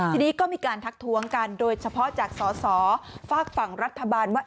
ทีนี้ก็มีการทักทวงกันโดยเฉพาะจากสอสอฝากฝั่งรัฐบาลว่า